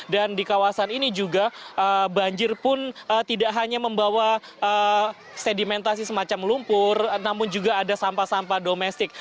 dan di kawasan ini juga banjir pun tidak hanya membawa sedimentasi semacam lumpur namun juga ada sampah sampah domestik